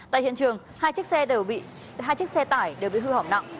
tại hiện trường hai chiếc xe tải đều bị hư hỏng nặng